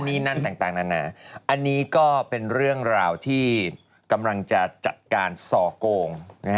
นี่นั่นต่างนานาอันนี้ก็เป็นเรื่องราวที่กำลังจะจัดการส่อโกง